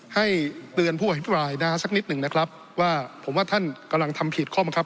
ให้เตือนผู้อภิปรายนะสักนิดหนึ่งนะครับว่าผมว่าท่านกำลังทำผิดข้อบังคับ